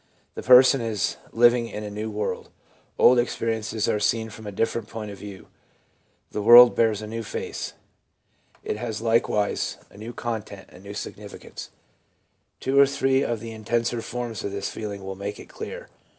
The person is living in a new world. Old experiences are seen from a different point of view. The world bears a new face. It has likewise i2o THE PSYCHOLOGY OF RELIGION a new content, a new significance. Two or three of the intenser forms of this feeling will make it clear : F.